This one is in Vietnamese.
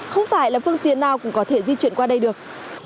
không phải là phương tiện nào cũng có thể di chuyển qua đây được